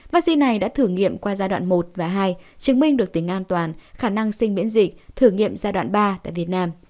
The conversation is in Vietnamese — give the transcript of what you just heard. vaccine này đã thử nghiệm qua giai đoạn một và hai chứng minh được tính an toàn khả năng sinh miễn dịch thử nghiệm giai đoạn ba tại việt nam